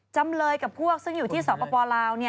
จำเลยกับพวกซึ่งอยู่ที่สปลาว